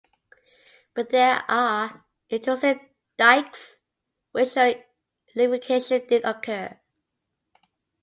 But there are intrusive dikes which show liquification did occur.